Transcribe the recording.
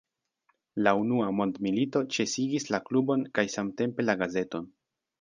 La unua mondmilito ĉesigis la klubon kaj samtempe la gazeton.